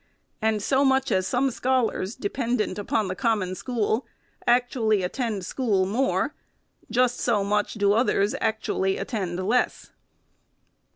And so much as some scholars, dependent upon the Common School, actu ally attend school more, just so much do others actually attend less.